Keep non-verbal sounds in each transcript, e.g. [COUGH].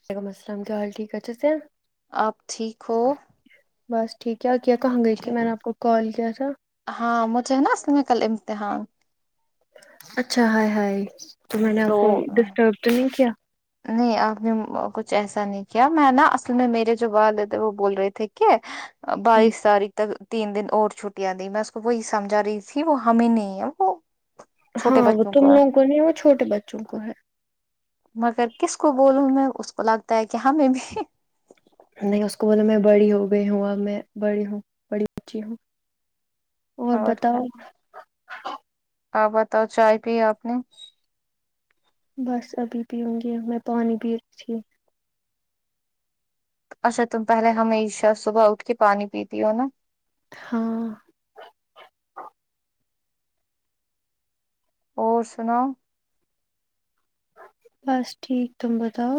وعلیکم السلام کیا حال ٹھیک اچھے سے آپ ٹھیک ہو بس ٹھیک ہے کیا کہاں گئی تھی میں نے آپ کو کال کیا تھا ہاں مجھے ہے نا اس لیںے کل امتحان اچھا ہائے ہائے تو میں نے آپ کو ڈسٹرب تو نہیں کیا نہیں آپ نے کچھ ایسا نہیں کیا میں نا اصل میں میرے جو والد تھے وہ بول رہے تھے کہ بائیس تاریخ تک تین دن اور چھٹیاںیں میں اس کو وہی سمجھا رہی تھی وہ ہمیں نہیں ہے وہ چھوٹے ہاں وہ بچوں تم ہے لوگ کو نہیں وہ چھوٹے بچوں کو ہے مگر کس کو بولوں میں اس کو لگتا ہے کہ ہمیں بھی نہیں اس کو بولو میں بڑی ہو گئی ہوں اور میں بڑی ہوں بڑی بچی ہوں اور بتاؤ آپ بتاؤ چائے پی آپ نے بس ابھی پیوں گی میں پانی پی رہی تھی اچھا تم پہلے ہمیشہ صبح اٹھ کے پانی پیتی ہو نا ہاں اور سناؤ بس ٹھیک تم بتاؤ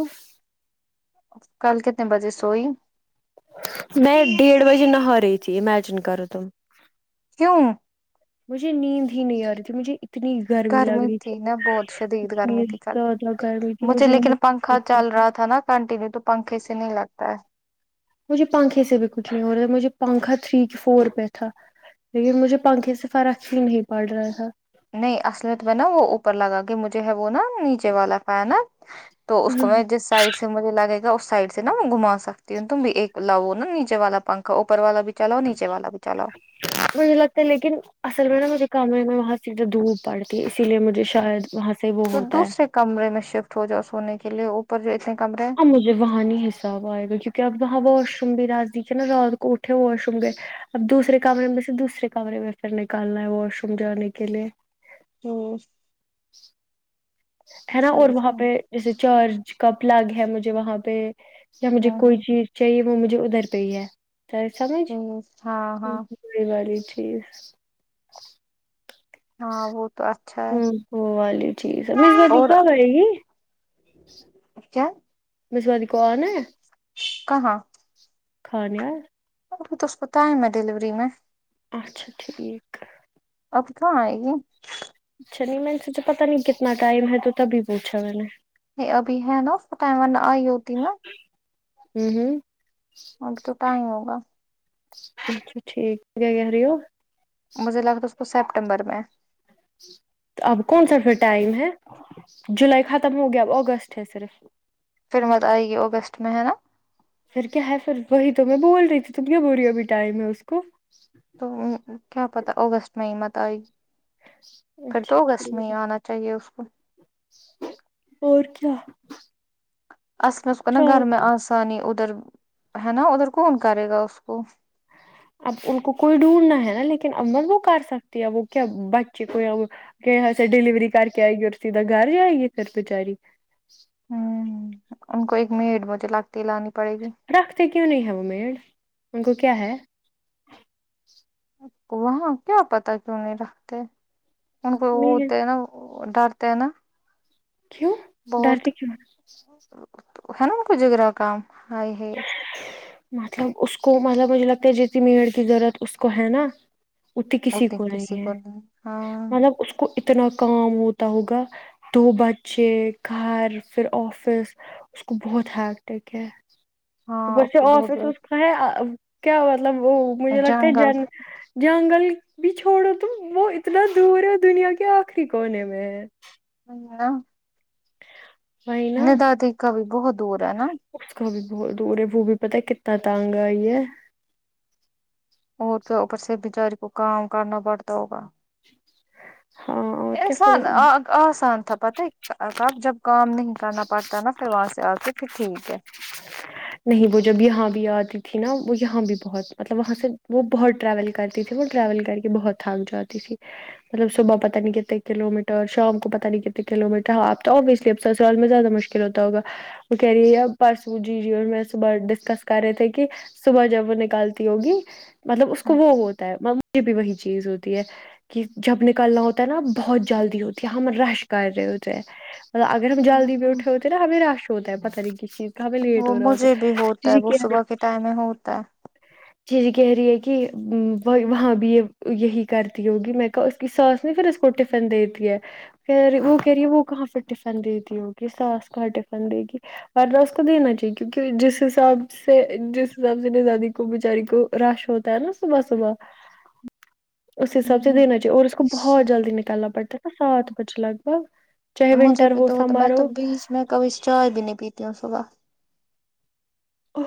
کل کتنے بجے سوئی میں ڈیڑھ بجے نہا رہی تھی امیجن کرو تم کیوں مجھے نیند ہی نہیں آ رہی تھی مجھے اتنی لگ گرمی رہی تھی نا بہت شدید اتنی گرمی تھی کل زیادہ گرمی تھی مجھے لیکن پنکھا نہیں چل رہا تھا نا کنٹینیو تو پنکھے سے نہیں لگتا ہے مجھے پنکھے سے بھی کچھ نہیں ہو رہا مجھے پنکھا تھری فور پہ تھا لیکن مجھے پنکھے سے فرق ہی نہیں پڑ رہا تھا نہیں اصلیت میں نا وہ اوپر لگا کے مجھے ہے وہ نا نیچے والا فین نا تو اس کو میں جس سائڈ سے مجھے لگے گا اس سائڈ سے نا میں گھما سکتی ہوں تم بھی ایک لاو نا نیچے والا پنکھا اوپر والا بھی چلو نیچے والا بھی چلو [INAUDIBLE] مجھے لگتا ہے لیکن اصل میں نا مجھے کمرے میں وہاں سے جو دھوب پڑتی ہے اسی لیے مجھے شاید وہاں سے وہ تو ہوتا ہے دوسرے کمرے میں شفٹ ہو جاؤ سونے کے لیے اوپر جو اتنے کمرے ہیں اب مجھے وہاں نہیں حساب آئے گا کیوں کے اپ وہاں واش روم بھی نزدیک ہے نا رات کو اٹھے واش روم گئے اب دوسرے کمرے میں سے دوسرے کمرے میں پھر نکالنا ہے واش روم جانے کے لیے ہو ہے نا اور وہاں پہ جیسے چارج کا پلگ ہے مجھے وہاں پہ یا مجھے ہ کوئی ہ چیز چاہیے وہ مجھے ادھر پہ ہی ہے سر سمجھ ٹھیک ہاں ہاں یہ والی چیز ہاں وہ تو اچھا ہے ہوں وہ والی چیز ہے مجھے ذرا دیکھا پائیگی گی اچھا میںسوا جی کون ہے کہاں کھانے آے اسکو تو سب پتہ ہے میں ڈیلیوری میں اچھا ٹھیک آب کہاں آئے گی اچھا نہیں مجھے تو پتہ نہیں کتنا ٹائم ہے تو تبھی پوچھا میں نے نہیں ابھی ہے نا اس کو ٹائم ورنہ آئی ہوتی نا ہوں ہوں ابھی تو ٹائم ہوگا اچھا ٹھیک ہے کیا کہرہی ہو مجھے لگتا اس کو سیپٹمبر میں اب کون سا پھر ٹائم ہے جولائی ختم ہو گیا اب اگستٹ ہے صرف پھر بعد آئے گی وہ اگست میں ہے نا پھر کیا ہے پھر وہی تو میں بول رہی تھی تم کیا بول رہی ہو ابھی ٹائم ہے اس کو تو کیا پتا اگست میں ہی مت آئی پھر اچھا تو اگست ٹھیک میں ہی آنا چاہیے اس کو اور کیا اصل اس کو نا اچھا گھر میں آسانی ادھر ہے نا ادھر کون کرے گا اس کو اب ان کو کوئی ڈھونڈنا ہے نا لیکن عمل وہ کر سکتی ہے ا وہ کیا بچے کوئی ا کہ یہاں سے ڈلیوری کر کے آئے گی اورسیدھا گھر جائیگی گی پھر بچاری ہوں ان کو ایک میڈ مجھے الگ دلانی پڑے گی رکھتے کیوں نہیں ہے وہ میڈ ان کو کیا ہے وہاں کیا پتا کیوں نہیں رکھتے ان کو میڈ ہوتے ہے نا ڈر تے نا کیوں بہت ڈرتی کیوں ہے ہے نا ان کو [UNINTELLIGIBLE] کام مطلب اس کو مطلب مجھے لگتا ہے جیتنی میڈ کی ضرورت اس کو ہے نا اتی کسی کو نہیں ہے مطلب اس کو اتنا کام ہوتا ہوگا دو بچے گھر پھر آفس اس کو بہت ہیکٹک ہے ہاں اوپر اس سے کو بہت آفس اس کا ہے کیا مطلب وہ مجھے لگتا ہے جنگل جن جنگل بھی چھوڑو تم وہ اتنا دور ہے دنیا کے آخری کونے میں ہے ہاں وہی نا ندا دی کا بھی بہت دور ہے نا اس کا بھی بہت دور ہے وہ بھی پتا ہے کتنا تانگ آئی ہے اور کیا اپر سے بچاری کو کام کرنا پڑتا ہوگا ہاں اور کیا ایسا پھر نا آسان تھا پتا ہے جب کام نہیں کرنا پڑتا نا پھر وہاں سے آ کے پھر ٹھیک ہے نہیں وہ جب یہاں بھی آتی تھی نا وہ یہاں بھی بہت مطلب وہاں سے وہ بہت ٹریول کرتی تھی وہ ٹریول کر کے بہت تھک جاتی تھی مطلب صبح پتا نہیں کتنے کلو میٹر شام کو پتا نہیں کتنے کلو میٹر ہاں آپ تو اسلیے اب سسرال میں زیادہ مشکل ل ہوتا ہوگا وہ کہہ رہی ہے آب بس مجھے میں صبح ڈسکس کر رہے تھے کہ صبح جب وہ نکالتی ہوگی مطلب اس کو وہ ہوتا ہے مجھے بھی وہی چیز ہوتی ہے کہ جب نکلنا ہوتا ہے نا بہت جلدی ہوتی ہے ہم رش کر رہے ہوتے اگر ہم جلدی بھیٹھ ہوتے نا ہمیں رش ہوتا ہے پتا نہیں کسی چیز کا ہمے وہ مجھے بھی ہوتا ہے وہ صبح کے ٹائم میں ہوتا ہے یہ ہی کہہ رہی ہے کہ وہاں بھی یہ یہی کرتی ہوگی میں اس کی ساس نہیں پھر اس کو ٹفن دے دیا ہے یار وہ کہہ رہی ہے وہ کہاں پہ ٹفن دے دی ہوگی ساس کہاں ٹفن دے گی اور نا اس کو دینا چاہیے کیونکہ جس حساب سے جس حساب سے زادی کو بچاری کو رش ہوتا ہے نا صبح صبح اس حساب سے دینا چاہیے اور اس کو بہت ہے جلدی نکالنا پڑتا ہے نا سات بجے لگ بھگ چاہے مجھے ونٹر بھی ہو تو ہوتا میں سمر تو ہو بیچ میں کبھی چائے بھی نہیں پیتی ہوں صبح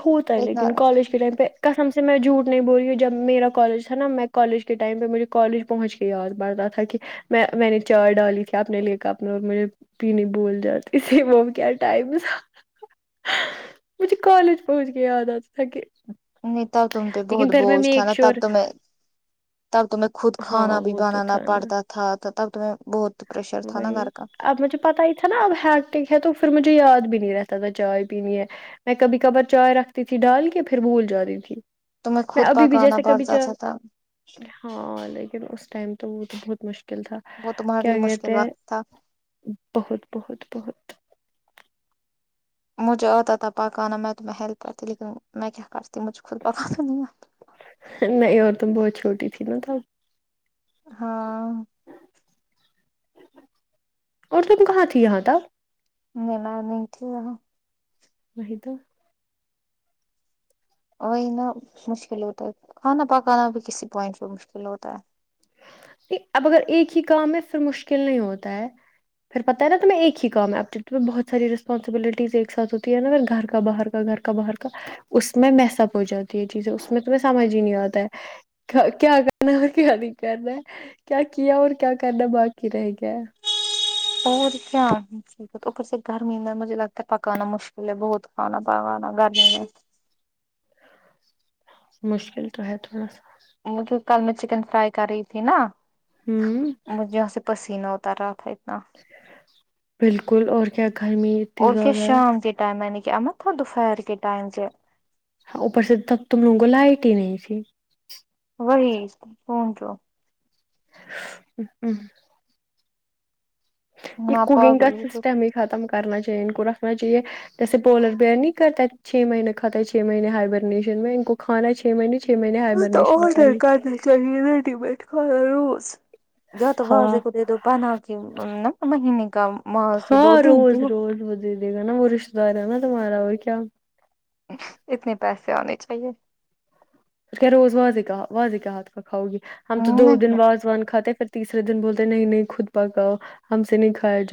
ہوتا ہے اتنا لیکن کالج کے ٹائم پہ قسم سے میں جھوٹ نہیں بول رہی ہوں جب میرا کالج تھا نا میں کالج کے ٹائم پہ مجھے کالج مجھے یاد بڑھتا تھا کہ میں میں نے چائے ڈالی تھی اپنے لے کر اپنے اور مجھے بھی نہیں بول جاتی تھی وہ کیا ٹائم تھا مجھے کالج پہنچ کے یاد آتا تھا کے نہیں تآ تم پہ بہت بوجھ تھا نا تب شیور تو میں تب تو میں خود ہاں کھانا بھی وہ تو بنانا تھا نا پڑتا تھا تب تو میں بہت پریشر تھا نا وہی گھر کا اب مجھے پتا ہی تھا نا اب ہیکٹک ہے تو پھر مجھے یاد بھی نہیں رہتا تھا چائے پینی ہے میں کبھی کبار چائے رکھتی تھی ڈال کے پھر بھول جاتی تھی تومیں میں خود ابھی بھی پکانا جیسے بڑ کبھی چا جاتا تھا ہاں لیکن اس ٹائم تو وہ تو بہت مشکل تھا وہ تمہارے لیے کیا گا مشکل وقت تھا بہت بہت بہت مجے آتا تھا پکانا میں تو میں ہیلپ کرتی لیکن میں کیا کر تی مجھ خود پکا نہیں آتا نہیں اور تم بہت چھوٹی تھی نا تو ہاں اور تم کہاں تھی یہاں تھا نہیں میں نہیں تھی یہاں نہیں تو وہی نہ مشکل ہوتا ہے کھانا پکانا بھی کسی پوائنٹ پہ مشکل ہوتا ہے اب اگر ایک ہی کام ہے پھر مشکل نہیں ہوتا ہے پھر پت ہے نا تمہیں ایک ہی کام ہے اپ تمہیں بہت ساری رسپانسبلٹیز ایک ساتھ ہوتی ہے نا پھر گھر کا باہر کا گھر باہر کا اس میں میسپ ہو جاتی ہے یہ چیزیں اس میں تمہیں سمجھ ہی نہیں آتا ہے کیا کرنا ہے اور کیا نہیں کرنا کیا کیا اور کیا کرنا باقی رہ گیا اور کیا ٹھیک ہے تو اوپھر سے گرمی میں مجھے لگتا ہے پکانا مشکل ہے بہت کھانا پکانا گرمی میں مشکل تو ہے تھوڑا سا مطلب کل میں چکن فرائی کر رہی تھی نا ہوں مجھے یہاں سے پسینہ ا تر رہا تھا اتنا بالکل اور کیا گرمی اتنی اور کیا زیادہ ہے شام کے ٹائم یعنی کہ امر تھا دوپہر کے ٹائم سے اوپر سے ت تم لوگوں کو لائٹ ہی نہیں تھی وہی کون توو ہ [INAUDIBLE] یہ نہ کولنگ کا پاگل سسٹم ہی ختم کرنا چاہیے ان کو رکھنا چاہیے جیے پولر بیئر نہیں کرتا چھ مہینے کھاتے ہے چھ مہنے ہائبرنیشن میں ان کو کھانا چھ مہینے چھ مہینے تو ہائبرنیشن کر آڈر لی کرنا چاہیے ریڈی بییٹھ خھا روز ج تو ہاں وازے کو دے دو پنا کی ن مہینے کا ماہ سے دو تین ت د دے گا نا وہ رشتے دار ہے نا تمہارا اور کیا اتنے پیسے آنے چاہیے پھر کیا روز واضح کا واضح کہا تھا کھاؤ گی ہم تو دو دن نہیں بعد ون کھاتے پھر تیسرے دن بولتے نہیں نہیں خود پکاؤ ہم سے نہیں کھایا ج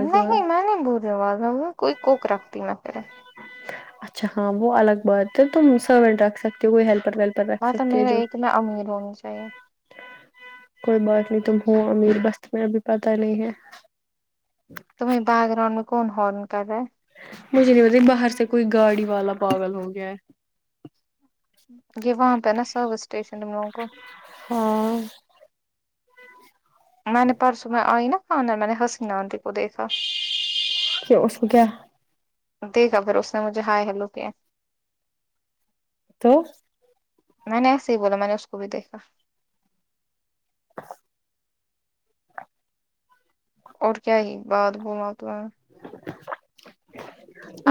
نہیں نہیں میں نہیں بولا وال کوئی کوک رکھتی میں پھر اچھا ہاں وہ الگ بات ہے تم سرونٹ رکھ سکتے ہو کوئی ہیلپر وی ہاں تو میرا ایک نا امیر ہونی چاہیے کوئی بات نہیں تم ہو امیر بس تمہیں ابھی پتا نہیں ہے تمہیں بیک گراؤنڈ میں کون ہورن کر رہا مجھے نہیں پتا باہر سے کوئی گاڑی والا پاگل ہو گیا ہے یہ وہاں پہ نا سروس اسٹیشن تم لوگوں کو ہاں میں نے پرسوں میں آئی نا خننان میں نے حسنہ آنٹی کو دیکھا کہ اس کو کیا دیکھا پھر اس نے مجھے ہائی ہیلو کیا تو میں نے ایسے ہی بولا میں نے اس کو بھی دیکھا اور کیا ہی بات بوم ت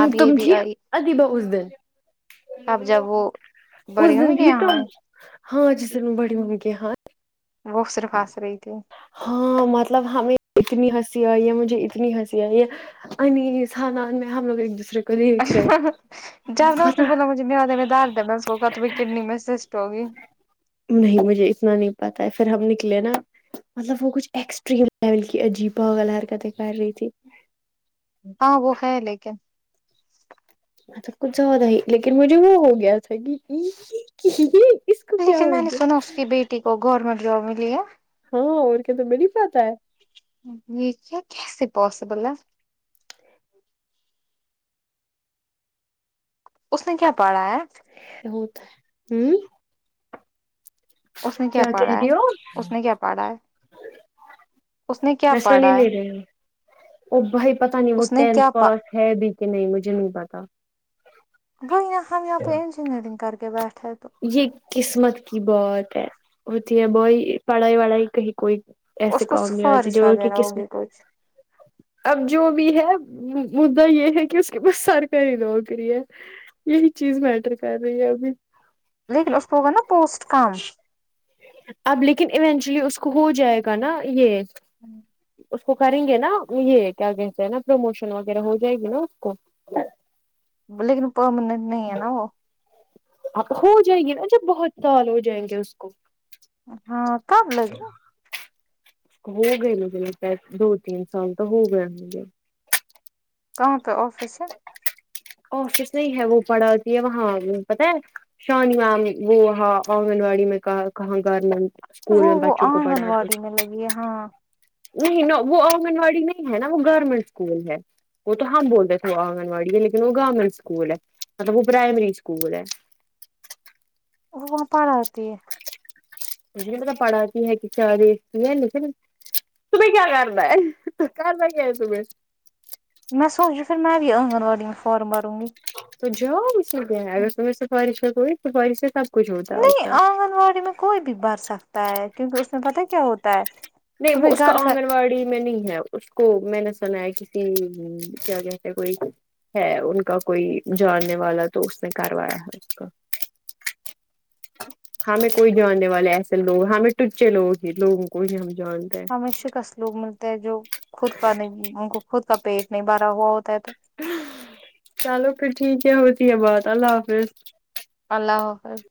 اب تم یہ بھی آئی ادیبہ اس دن اب جب وہ اس بڑیوں دن میں کیا بھی یہاں تم ہاں جس دن بڑی مما کے ہ وہ صرف ہنس رہی تھی ہاں مطلب ہمیں اتنی ہنسی آئی مجھے اتنی ہنسی آئی ہے آئی مین اس خاندان میں ہم لوگ ایک دوسرے کو دیکھ رہے اچھا جب نا اس نے پتا بولا مجھے میدہ میں درد ہے میں نے اس کو کہا تو کڈنی میں سسٹ ہوگی نہیں مجھے اتنا نہیں پتا ہے پھر ہم نکلے نا مطلب وہ کچھ ایکسٹریم لیول کی عجیب پاگل حرکتیں کر رہی تھی ہاں وہ ہے لیکن م تو کچھ زیادہ ہی لیکن مجھے وہ ہو گیا تھا کہ ت لیکن میں نے سنا اس کی بیٹی کو گورنمنٹ جاب ملی ہے ہاں اور کیا تو تمھیں نہیں پاتا ہے یہ کیا کیسے پاسبل ہے اس نے کیا پڑھا ہے ہوتا ہے ہوں اس نے کیا کہہ پڑھا ہے رہی ہو اس نے کیا پڑھا ہے اس نے کیا میں سن ہی پڑھا ہے نہیں رہی ہوں او بھائی پتا نہیں وہ اس نے ٹینتھ کیا پ پاس ہے بھی کہ نہیں مجھے نہیں پتا وہی نا ہم یہاں پہ انجینئرنگ کر کے بیٹھے تو یہ قسمت کی بات ہے ہوتی ہے بھائی پڑھائی وڑھائی کہیں کوئی ایسے اس کو کام نہیں آتی سفارش جو کہ وغیرہ کس ہوگی کچھ اب جو بھی ہے مدا یہ ہے کہ اس کے پاس سرکاری نوکری ہے یہی چیز میٹر کر رہی ہے ابھی لیکن اس کو ہوگا نا پوسٹ کام اب لیکن ایونچولی اس کو ہو جائے گا نا یہ اس کو کریں گے نا یہ کیا کہتے ہیں نا پروموشن وغیرہ ہو جائے گی نا اس کو لیکن پرماننٹ نہیں ہے نا وہ اب کو ہو جائیں گے نا جب بہت سال ہو جائیں گے اس کو ہاں کب لگا ہو گئی مجھے لگتا ہیں دو تین سال تو ہو گیے ہونگے کہاں کا آفس ہے آفس نہیں ہے وہ پڑھاتی ہے وہاں پتا ہے شانی میمی وہ ہاں آنگن واڑی میں کہاں گار لینٹ اسکول وہ میں وہ بچوں کو آنگن پڑھا دے واڑی میں لگی ہے ہاں نہیں ناں وہ آنگن واڑی نہیں ہے ناں وہ گورنمنٹ اسکول ہے وہ تو ہم بول آنگن واڑی ہے لیکن وہ گورنمنٹ سکول ہے مطلب وہ پرائمری اسکول ہے وہ وہاں پڑھا تی ہے مجھے نہیں پتہ پڑھاتی ہے کہ چار نہیں لیکن تمہیں کیا کرنا ہے کرنا کیا ہے تمہیں میں سوچی پھر میں بھی آنگن واڑی میں فارم بھروں گی تو جاؤ اس میں کیا ہے اگر تمہیں سفارش کر کوئی سفارش سے کچھ ہوتا ہے اس نہیں پر آنگن واڑی میں کوئی بھی بر سکتا ہے کیونکہ اس میں پتا کیا ہوتا ہے نہیں وہ تمہیں اس کا گھر آنگن واڑی میں نہیں ہے اس کو میں نے سنا ہے کسی کیا کہتے کوئی ہے ان کا کوئی جاننے والا تو اس نے کروایا ہے اس کا ہمیں کوئی جاننے والے ایسے لوگ ہمیں ٹچے لوگ ہی لوگوں کو جانتا ہے ہمیں شکست لوگ ملتے ہیں جو خود کا نہیں ان کو خود کا پیٹ نہیں بھرا ہوا ہوتا ہے تو چلو پھر ٹھیک ہے ہوتی ہے پھر بات اللہ حافظ اللہ حافظ